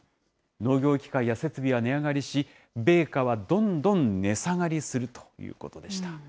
農業機械や設備は値上がりし、米価はどんどん値下がりするということでした。